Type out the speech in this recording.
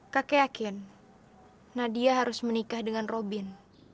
kakek nadia harus menikah dengan robin